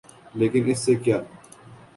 لیکن اس سے کیا؟